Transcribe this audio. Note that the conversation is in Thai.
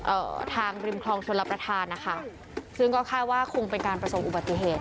เอ่อทางริมคลองชนรับประทานนะคะซึ่งก็คาดว่าคงเป็นการประสบอุบัติเหตุ